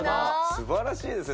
素晴らしいですね！